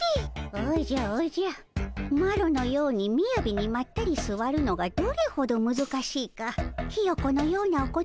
おじゃおじゃマロのようにみやびにまったりすわるのがどれほどむずかしいかヒヨコのようなお子ちゃまには分からぬでおじゃる。